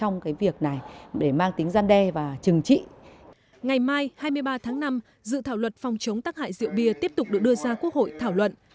ngày mai hai mươi ba tháng năm dự thảo luật phòng chống tắc hại rượu bia tiếp tục được đưa ra quốc hội thảo luận